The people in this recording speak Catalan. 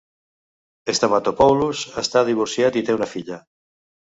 Stamatopoulos està divorciat i té una filla.